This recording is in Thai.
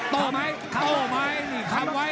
โตไหมโตไหมคำไว้